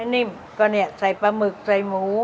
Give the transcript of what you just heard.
นิ่มก็เนี่ยใส่ปลาหมึกใส่หมู